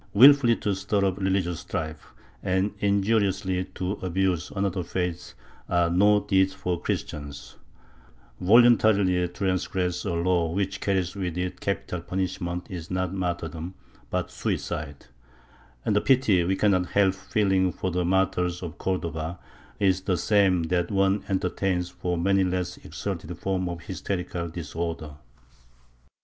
Wilfully to stir up religious strife and injuriously to abuse another faith are no deeds for Christians; voluntarily to transgress a law which carries with it capital punishment is not martyrdom, but suicide; and the pity we cannot help feeling for the "martyrs" of Cordova is the same that one entertains for many less exalted forms of hysterical disorder.